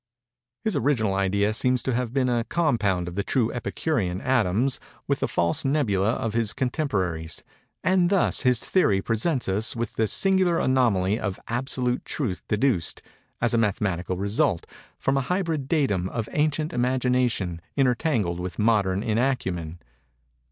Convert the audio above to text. His original idea seems to have been a compound of the true Epicurean atoms with the false nebulæ of his contemporaries; and thus his theory presents us with the singular anomaly of absolute truth deduced, as a mathematical result, from a hybrid datum of ancient imagination intertangled with modern inacumen.